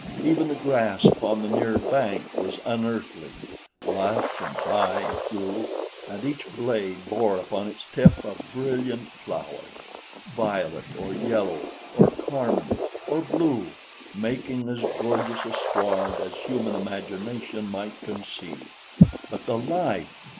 Even the grass upon the nearer bank was unearthly lush and high it grew, and each blade bore upon its tip a brilliant flower violet or yellow or carmine or blue making as gorgeous a sward as human imagination might conceive. But the life!